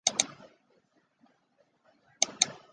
皮库伊是巴西帕拉伊巴州的一个市镇。